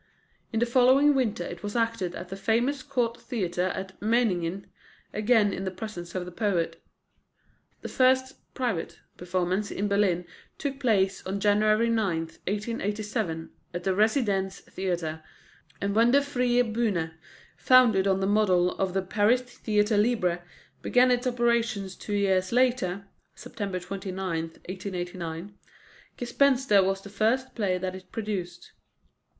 In the following winter it was acted at the famous Court Theatre at Meiningen, again in the presence of the poet. The first (private) performance in Berlin took place on January 9, 1887, at the Residenz Theater; and when the Freie Bühne, founded on the model of the Paris Theatre Libre, began its operations two years later (September 29, 1889), Gespenster was the first play that it produced.